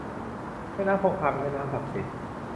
แม่น้ำคงคา เป็นแม่น้ำศักดิ์สิทธิ์